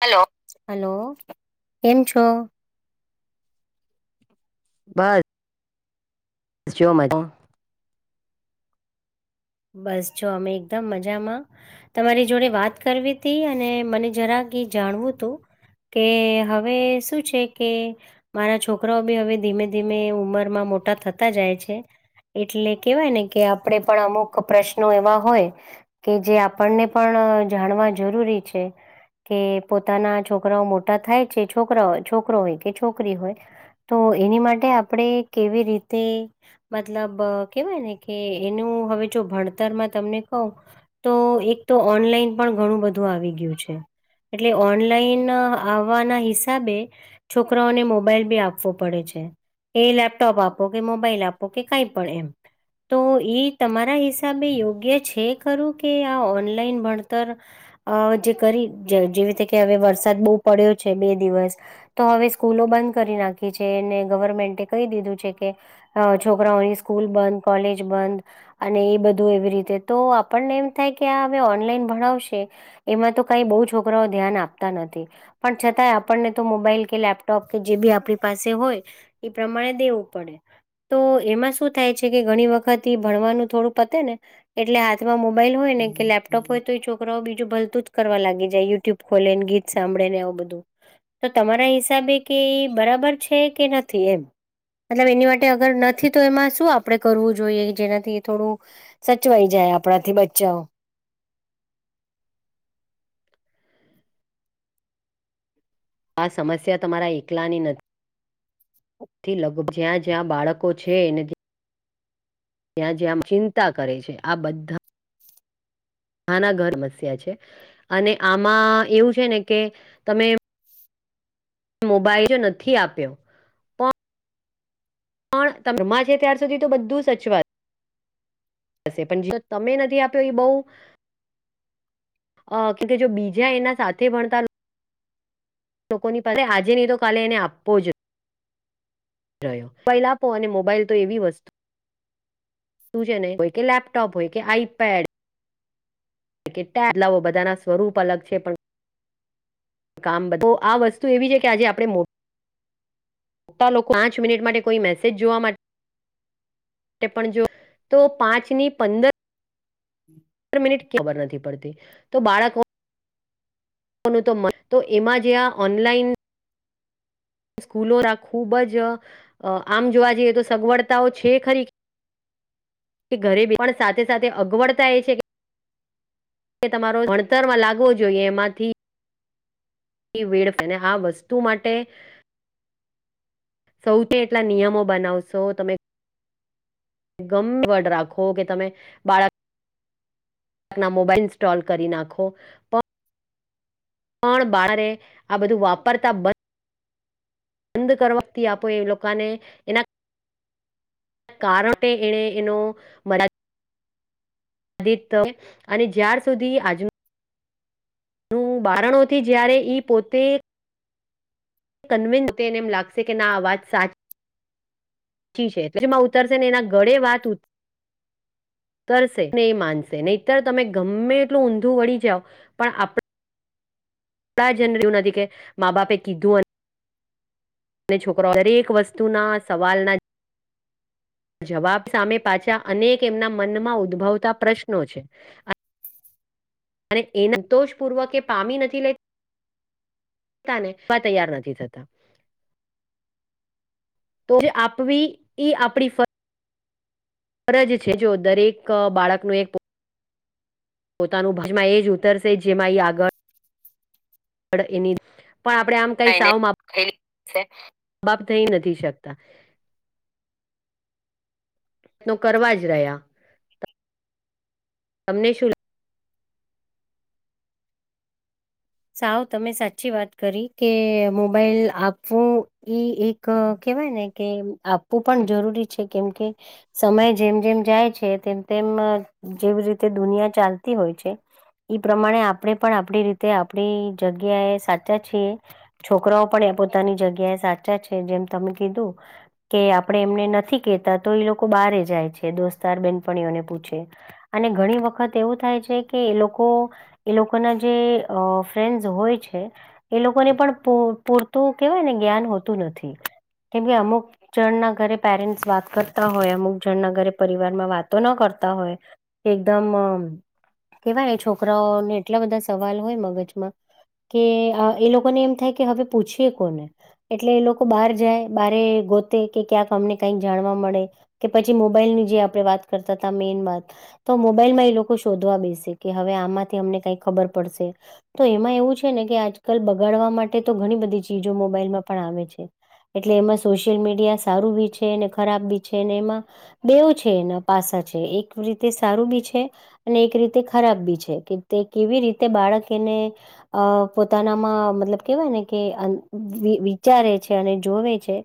Hello hello કેમ છો? બસ જો મજા. બસ જો અમે એકધમ મજામાં. તમારી જોડે વાત કરવી તી અને મને જરાક ઈ જાણવું તું. કે હવે શું છે કે મારા છોકરાઓ બી હવે ધીમે ધીમે ઉંમરમાં મોટા થતા જાય છે. એટલે કેવાય ને કે આપડે પણ અમુક ક પ્રશ્નો એવા હોય કે જે આપણને પણ જાણવા જરૂરી છે. કે પોતાના છોકરાઓ મોટા થાય છે છોકરા છોકરો હોય કે છોકરી હોય. તો એની માટે આપણે કેવી રીતે મતલબ કેવાય ને કે એનું હવે જો ભણતરમાં તમને કવ તો એક તો ઓનલાઈન પણ ઘણું બધું આવી ગયું છે. એટલે ઓનલાઈન આવવાના હિસાબે છોકરાઓને મોબાઈલ બી આપવો પડે છે. એ લેપટોપ આપો કે, મોબાઈલ આપો કે કાઈ પણ એમ તો ઈ તમા મારા હિસાબે યોગ્ય છે ખરું કે આ ઓનલાઈન ભણતર? અ જે કરી જે જેવી રીતે કે હવે વરસાદ બહુ પડ્યો છે બે દિવસ તો હવે સ્કૂલો બંધ કરી નાખી છે અને ગવર્મેન્ટે કહી દીધું છે કે અ છોકરાઓની સ્કૂલ બંધ, કોલેજ બંધ. અને એ બધું એવી રીતે તો આપણને એમ થાય કે આ હવે ઓનલાઈન ભણાવશે એમાં તો કઈ બહુ છોકરાઓ ધ્યાન આપતા નથી. પણ છતાં આપણને તો મોબાઈલ કે લેપટોપ કે જે બી આપણી પાસે હોય. એ પ્રમાણે દેવું પડે તો એમાં શું થાય છે કે ઘણી વખત એ ભણવાનું થોડું પતે ને એટલે હાથમાં મોબાઈલ હોય ને કે લેપટોપ હોય તો એ છોકરાઓ બીજું બધું જ કરવા લાગી જાય યુટ્યુબ ખોલે ને ગીત સાંભળે ને એવું બધું તો તમારા હિસાબે કે બરાબર છે કે નથી એ મતલબ એની માટે અગર નથી તો એમાં શું આપડે કરવું જોઈએ? જેનાથી થોડું સચવાઈ જાય આપણાથી બચ્ચાઓ આ સમસ્યા તમારા એકલા ની નથી. થી લગભગ જ્યાં જ્યાં બાળકો છે એને ત્યાં જ્યાં મ ચિંતા કરે છે આ બધા નાના ઘર બસ્યા છે અને આમાં એવું છે ને કે તમે મોબાઈલ જો નથી આપ્યો પણ ત રમા છે ત્યાર સુધી તો બધું સચ વાત હ પણ જે તમે નથી આપ્યો એ બહુ- અ કે જો બીજા એના સાથે ભણતા લોકોની પાસે આજે નહી તો કાલે એને આપવો જ રહ્યો મોબાઈલ આપો અને મોબાઈલ તો એવી વસ્તુ તું છે નહી હોય કે લેપટોપ હોય કે આઈપેડ કે ટેબ બદલા બધા ના સ્વરૂપ અલગ છે પણ કામ તો આ વસ્તુ એવી છે કે આજે આપણે મો લોકો પાંચ મિનિટ માટે કોઈ મેસેજ જોવા માટે પણ જો તો પાંચ ની પંદર હમ [inaudible] મિનિટ ખબર નથી પડતી તો બાળકો તો એમાં જે આ ઓનલાઈન સ્કૂલો ખુબ જ આમ જોવા જઈએ તો સગવડતાઓ છે ખરી. કે ઘરે બ પણ સાથે સાથે અગવડતા એ છે તમારો ભણતર માં લાગવો જોઈએ એમાંથી ને આ વસ્તુ માટે સૌ તે એટલા નિયમો બનાવશો તમે ગમવડ રાખો કે તમે બાળક ના મોબાઈલ ઇન્સ્ટોલ કરી નાખો પણ બારે આ બધું વાપરતા બ બંધ કરવાથી આપો એ લોકોને એના કાર એને એનો મરા અને જ્યાાર સુધી આજ નું બારણોથી જ્યારે ઈ પોતે કન્વિન્સ એને એમ લાગશે કે ના આ વાત સાચ ી છે એમાં ઉતરશે ને એના ગળે વાત ઊતરસે ને એ માનશે નહીતર તમે ગમે એટલું ઊંધું વળી જાવ પણ આપણે જર એવું નથી કે મા બાપે કીધું અને અને છોકરાઓ દરેક વસ્તુ ના સવાલના જવાબ સામે પાછા અનેક એમના મનમાં ઉદ્ભવતા પ્રશ્નો છે. [unintelligible] અને એ સંતોષપૂર્વક એ પામી નથી લે તા ને તૈયાર નથી થતા. તોજ આપવી એઈ આપણી ફ ફરજ છે જો દરેક બાળકનો એક પોતાનું ભજમાં એ જ ઉતરશે જેમાં એ આગળ ગળ એની પણ આપડે આમ કઈ સાવ મા [inaudible] બાપ થઈ નથી શકતા. તો કરવા જ રહ્યા. તમને શું સાવ તમે સાચી વાત કરી કે મોબાઈલ આપવું એ એક કેવાય ને કે આપવું પણ જરૂરી છે કેમ કે સમય જેમ જેમ જાય છે તેમ તેમ જેવી રીતે દુનિયા ચાલતી હોય છે. ઈ પ્રમાણે આપણે પણ આપડી રીતે આપણી જગ્યાએ સાચા છીએ. છોકરાઓ પણ એ પોતાની જગ્યા એ સાચા છે જેમ તમે કીધું કે આપણે એમને નથી કેહેતા તો એ લોકો બહારે જાય છે દોસ્તાર બેનપણીઓને પૂછે અને ઘણી વખત એવું થાય છે કે એ લોકો એ લોકોના જે અ ફ્રેન્ડ્સ હોય છે. એ લોકોને પણ પૂરતું કેહેવાય ને જ્ઞાન હોતું નથી. કેમકે અમુક જણના ઘરે પેરેન્ટ્સ વાત કરતા હોય અમુક જણના ઘરે પરિવારમાં વાતો ન કરતા હોય. એકદમ કેવાય છોકરાઓને એટલા બધા સવાલ હોય મગજમાં. કે એ લોકોને એમ થાય કે હવે પૂછીએ કોને. એટલે એ લોકો બહાર જાય બહારે ગોતે કે ક્યાંક અમને કઈક જાણવા મળે. કે પછી મોબાઈલ ની જે આપણે વાત કરતા હતા, મેઇન વાત. તો મોબાઈલમાં એ લોકો શોધવા બેસે કે હવે આમાંથી અમને કઈક ખબર પડશે. તો એમાં એવું છે ને કે આજકાલ બગાડવા માટે તો ઘણી બધી ચીજો મોબાઈલમાં પણ આવે છે. એટલે એમાં સોશિયલ મીડિયા સારું બી છે અને ખરાબ બી છે અને એમાં બેવ છે એના પાસા છે. એક રીતે સારું બી છે અને એક રીતે ખરાબ બી છે કે તે કેવી રીતે બાળક એને અ પોતાનામાં મતલબ કેહેવાય ને કે વિચારે છે અને જોવે છે.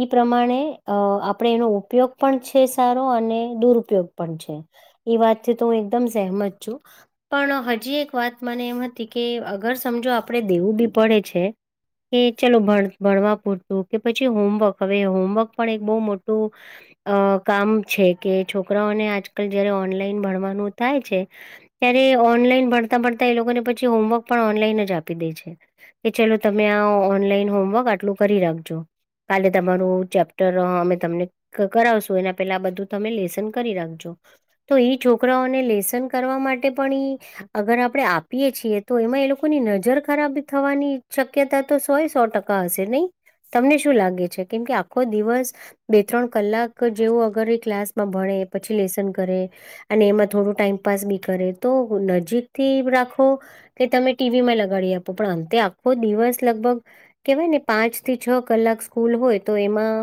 ઈ પ્રમાણે અ આપણે એનો ઉપયોગ પણ છે સારો અને દુરુપયોગ પણ છે. એ વાતથી તો હું એકદમ સહેમત છું. પણ હજી એક વાત મને એ કે અગર સમજો આપડે દેવું બી પડે છે કે ચલો ભણ ભણવા પૂરતું કે પછી હોમવર્ક હવે હોમવર્ક પણ એક બહુ મોટું અ કામ છે કે છોકરાઓને આજકાલ જયારે ઓનલાઈન ભણવાનું થાય છે. ત્યારે ઓનલાઈન ભણતા ભણતા એ લોકોને પછી હોમવર્ક પણ ઓનલાઈન જ આપી દે છે. કે ચલો તમે આ ઓનલાઈન હોમવર્ક આટલું કરી રાખજો. કાલે તમારું ચેપ્ટર અમે તમને કરાવશો એના પેલા આ બધું તમે લેસન કરી રાખજો. તો ઈ છોકરાઓને લેસન કરવા માટે પણ ઈ અગર આપડે આપીએ છીએ તો એમાં એ લોકોની નજર ખરાબ થવાની શક્યતા તો સોય સો ટકા હશે નહી? તમને શું લાગે છે? કેમ કે આખો દિવસ બે ત્રણ કલાક જેવું અગર એ ક્લાસમાં ભણે પછી લેસન કરે અને એમાં થોડું ટાઈમપાસ બી કરે તો નજીક થી રાખો કે તમે ટીવીમાં લગાડી આપો પણ અંતે આખો દિવસ લગભગ કેવાય ને પાંચ થી છ કલાક સ્કૂલ હોય તો એમાં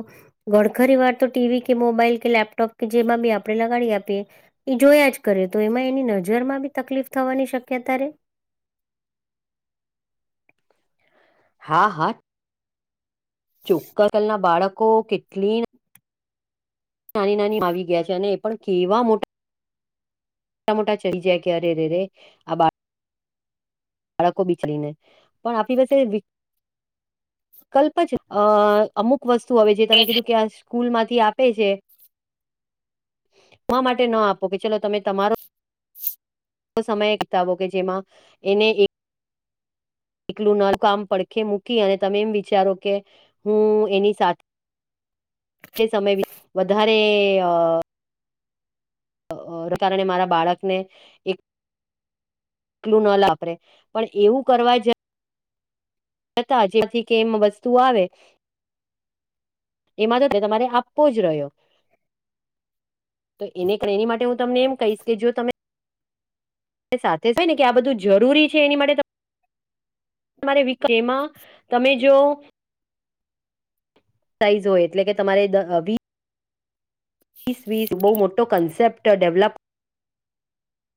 ઘણખરી વાર તો ટી વી કે મોબાઈલ કે લેપટોપ કે જેમાં બી આપણે લગાડી આપીએ એ જોયા જ કરે તો એમાં એની નજર માં બી તકલીફ થવાની શક્યતા રે હા હા. ચોક્કલ ના બાળકો કેટલી નાની નાની આવી ગયા છે અને એ પણ કેવા મોટા મોટા મોટા ચડી જાય કે અરે રરે આ બા બાળકો બિચડીને પણ આપણી પાસે વિકલ્પ જ અ અમુક વસ્તુ હવે જે તમે કીધું કે આ સ્કૂલ માંથી આપે છે માટે ન આપો કે ચલો તમે તમારો સમય કિતાબો કે જેમાં એને એકલું ન કામ પડખે મૂકી અને તમે એમ વિચારો કે હું એની સાથે સમય વધારે કારણે મારા બાળકને એક એલું ના લપે પણ એવું કરવા જ હતા જેથી કે એમ વસ્તુ આવે એમાં તો તમારે આપવો જ રહ્યો તો એને એની માટે હું તમને એમ કહીશ કે જો તમે સાથે હોય ને કે આ બધું જરૂરી છે એની માટે તમારે એમાં તમે જો ઝ હોય એટલે કે તમારે વીસ વીસ બહુ મોટો કન્સેપ્ટ ડેવલપ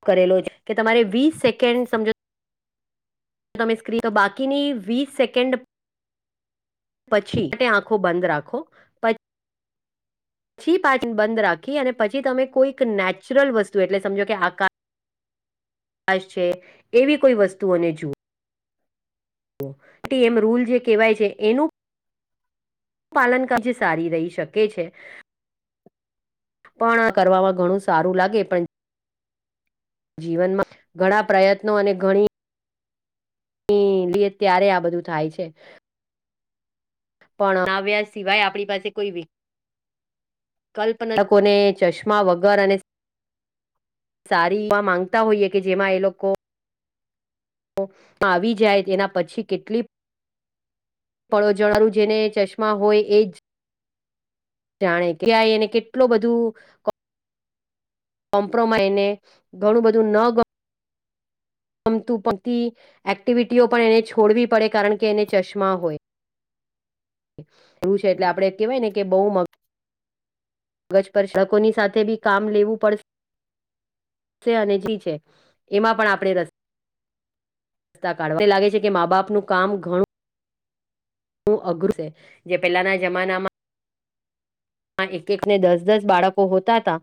કરેલો છે. કે તમારે વીસ સેકન્ડ સમજો તમે સ્ક્રીન તો બાકીની વીસ સેકન્ડ પછી આંખો બંધ રાખો પછી પાચ બંધ રાખી અને પછી તમે કોઈ નેચરલ વસ્તુ એટલે સમજો કે આકાશ છે એવી કોઈ વસ્તુઓને જુ એ એમ રૂલ જે કહેવાય છે. એનુ પાલન ક સારી રહી શકે છે. પણ કરવામાં ઘણું સારું લાગે પણ જીવનમાં ઘણા પ્રયત્નો અને ઘણી લી ત્યારે આ બધું થાય છે. પણ આ વ્યાજ સિવાય આપણી પાસે કોઈ બી કલ્પનાટકોને ચશ્મા વગર અને સારી એવા માંગતા હોઈએ કે જેમાં એ લોકો આવી જાય તેના પછી કેટલી પળો જળારું જેને ચશ્મા હોય એ જ જાણે ક્યાંય એને કેટલું બધુ કોમ્પ્રોમાઈ ને ઘણું બધું ન ગ મતું પથી એક્ટિવિટીઓ પણ એને છોડવી પડે કારણ કે એને ચશ્મા હોય છે. એટલે આપણે કેહેવાય ને કે બહુ મ મગજ પર ચળકોની સાથે બી કામ લેવું પડશે છે અને જી છે. એમાં પણ આપણે રસ્ તા કાઢવા મને લાગે છે. કે મા બાપનું કામ ઘણું અઘર જે પેલાના જમાનામાં આ એક એક ને દસ દસ બાળકો હોતા હતા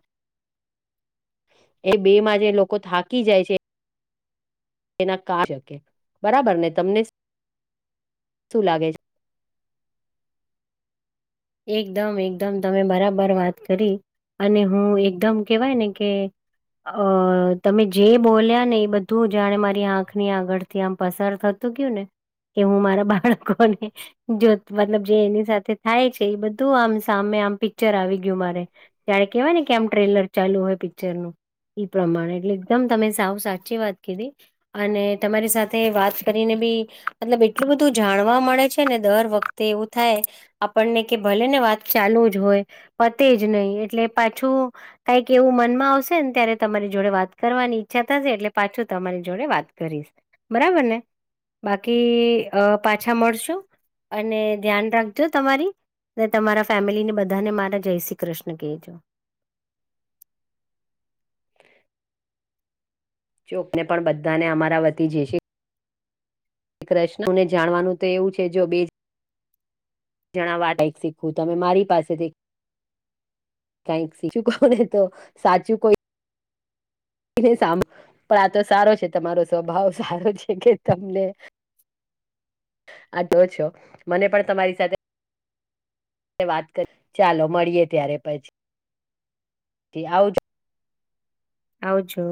એ બે માં જે લોકો થાકી જાય છે. એના કા શકે બરાબર ને તમને શું લાગે? છે એકદમ એકદમ તમે બરાબર વાત કરી. અને હું એકદમ કેવાય ને કે અ તમે જે બોલ્યા ને એ બધું જાણે મારી આંખની આગળ તથી આમ પસાર થતું ગયું ને કે હું મારા બાળકોને જો મતલબ જે એની સાથે થાય છે. એ બધું આમ સામે આમ પિક્ચર આવી ગયું મારે ત્યારે કેહેવાય ને કે આમ ટ્રેલર ચાલુ હોય પિક્ચર નુ ઈ પ્રમાણે એટલે એકદમ તમે સાવ સાચી વાત કીધી અને તમારી સાથે વાત કરીને બી મતલબ એટલું બધું જાણવા મળે છેને દર વખ તે એવું થાય આપ પણને કે ભલેને વાત ચાલુ જ હોય પતે જ નહીં એટલે પાછું કાઈક એવું મનમાં આવશે ને ત્યારે તમારી જોડે વાત કરવાની ઈચ્છા થશે એટલે પાછું તમારી જોડે વાત કરીશ. બરાબર ને? બાકી પાછા મળશું અને ધ્યાન રાખજો તમારી. અને તમારા ફેમિલીને બધાને મારા જય શ્રી કૃષ્ણ કહેજો. ચોક ને પણ બધાને અમારા વતી જય શ્રી કૃષ્ણને જાણવાનું તો એવું છે જો બે જણા વાટ કંઈ શીખયુ તમે મારી પાસેથી કાઈક સીખુને તો સાચું કોઈ સાંભ પણ આ તો સારો છે તમારો સ્વભાવ સારો છે કે તમને આ તો છો મને પણ તમારી સાથે વાત કરી ચાલો મળીએ ત્યારે પછી આવજ આવજો.